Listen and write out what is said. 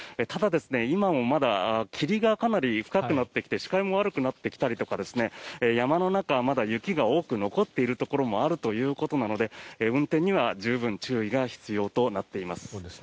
ただ、今もまだ霧がかなり深くなってきて視界も悪くなってきたりとか山の中はまだ雪が多く残っているところもあるということなので運転には十分注意が必要となっています。